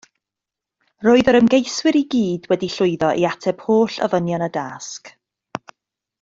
Roedd yr ymgeiswyr i gyd wedi llwyddo i ateb holl ofynion y dasg